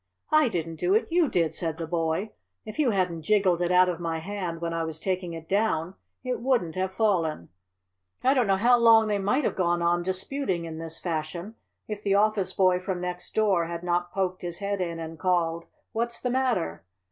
"I didn't do it! You did!" said the boy. "If you hadn't jiggled it out of my hand when I was taking it down it wouldn't have fallen." I don't know how long they might have gone on disputing in this fashion if the office boy from next door had not poked his head in and called: "What's the matter?"